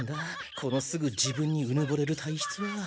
このすぐ自分にうぬぼれる体質は。